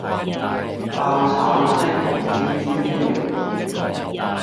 爆炒青紅椒豬頸肉